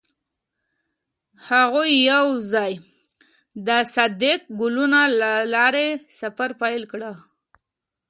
هغوی یوځای د صادق ګلونه له لارې سفر پیل کړ.